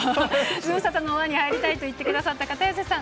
ズムサタの輪に入りたいと言ってくださった片寄さん。